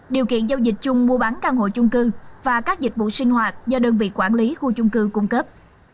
điều kiện giao dịch chung mua bán căn hộ chung cư và các dịch vụ sinh hoạt do đơn vị quản lý khu chung cư cung cấp